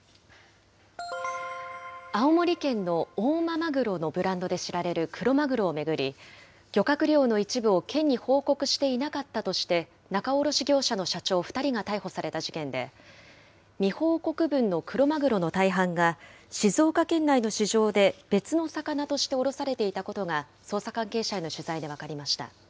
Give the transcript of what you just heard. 青森県の大間まぐろのブランドで知られるクロマグロを巡り、漁獲量の一部を県に報告していなかったとして、仲卸業者の社長２人が逮捕された事件で、未報告分のクロマグロの大半が、静岡県内の市場で別の魚として卸されていたことが、捜査関係者への取材で分かりました。